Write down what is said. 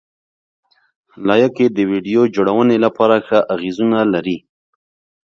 لایکي د ویډیو جوړونې لپاره ښه اغېزونه لري.